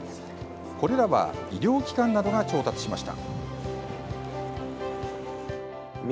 これらは医療機関などが調達しました。